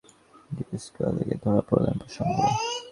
আরাফাত সানিকে slog sweep করে deep square লেগে ধরা পড়লেন প্রসন্ন।